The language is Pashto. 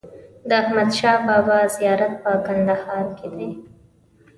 د احمدشاه بابا زیارت په کندهار کې دی.